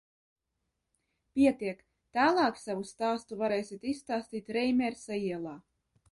Pietiek, tālāk savu stāstu varēsiet izstāstīt Reimersa ielā.